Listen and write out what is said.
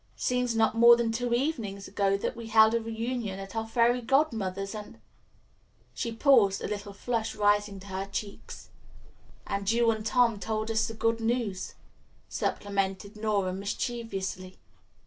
It seems not more than two evenings ago that we held a reunion at our Fairy Godmother's and " She paused, a little flush rising to her cheeks. "And you and Tom told us the good news," supplemented Nora mischievously.